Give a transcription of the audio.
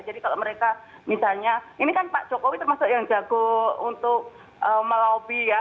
jadi kalau mereka misalnya ini kan pak jokowi termasuk yang jago untuk melobby ya